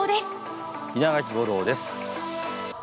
稲垣吾郎です。